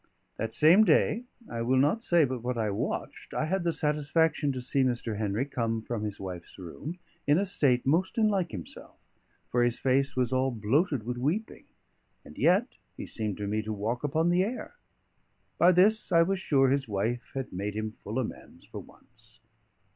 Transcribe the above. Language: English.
That same day (I will not say but what I watched) I had the satisfaction to see Mr. Henry come from his wife's room in a state most unlike himself; for his face was all bloated with weeping, and yet he seemed to me to walk upon the air. By this, I was sure his wife had made him full amends for once.